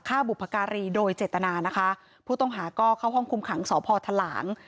บุพการีโดยเจตนานะคะผู้ต้องหาก็เข้าห้องคุมขังสพทหลาง